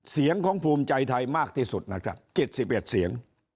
เสียงของภูมิใจไทยมากที่สุดนะครับ๗๑เสียง